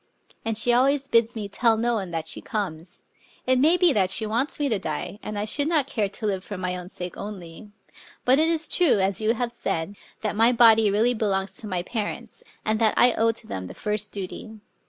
And she always bids me tell no one that she comes. It may be that she wants me to die ; and I should not care to live for my own sake only. But it is true, as you have said, that my body really belongs to my parents, and that I owe to them the first duty.